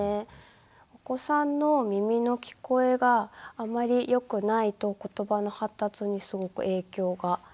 お子さんの耳の聞こえがあまりよくないとことばの発達にすごく影響が出てくることがあります。